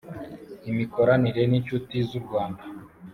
Imikoranire n inshuti z u rwanda